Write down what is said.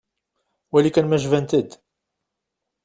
Wali kan ma jbant-d.